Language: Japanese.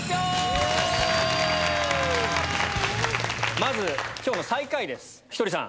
まず今日の最下位ひとりさん